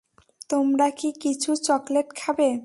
তোমরা কি কিছু চকলেট খাবে?